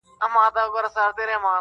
او دا لنډغر د سیمې